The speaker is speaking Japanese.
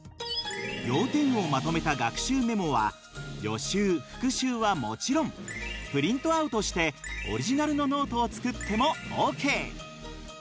要点をまとめた学習メモは予習復習はもちろんプリントアウトしてオリジナルのノートを作ってもＯＫ！